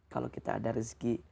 kalau kita ada rezeki